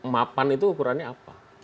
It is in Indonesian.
mapan itu ukurannya apa